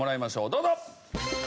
どうぞ！